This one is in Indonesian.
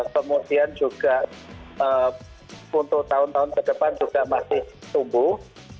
kemudian juga untuk tahun tahun ke depan juga masih tumbuh